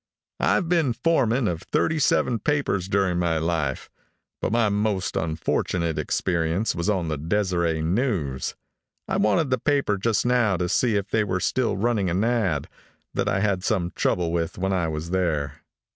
I've been foreman of thirty seven papers during my life, but my most unfortunate experience was on the Deseret News. I wanted the paper just now to see if they were still running an ad. that I had some trouble with when I was there.